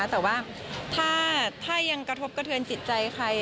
แต่ว่าถ้ายังกระทบกระเทือนจิตใจใคร